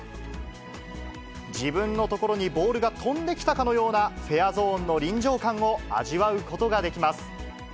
自分の所にボールが飛んできたかのような、フェアゾーンの臨場感を味わうことができます。